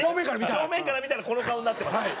正面から見たらこの顔になってます。